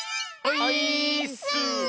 オイーッス！